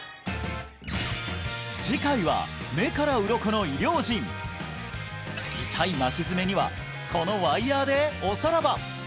次回は目からウロコの医療人痛い巻き爪にはこのワイヤーでおさらば！